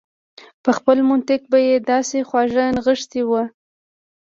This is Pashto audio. په خپل منطق به يې داسې خواږه نغښتي و.